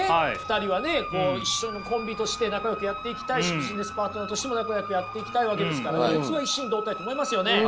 ２人はねこう一緒のコンビとして仲よくやっていきたいしビジネスパートナーとしても仲よくやっていきたいわけですから普通は一心同体と思いますよね。